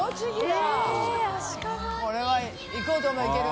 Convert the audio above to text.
これは行こうと思えば行ける。